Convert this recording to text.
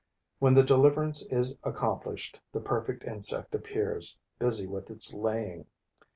When the deliverance is accomplished, the perfect insect appears, busy with its laying.